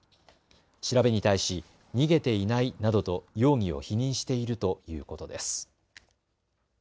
調べに対し逃げていないなどと容疑を否認しているということです。